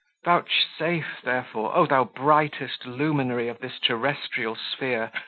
Vouchsafe, therefore, O thou brightest luminary of this terrestrial sphere!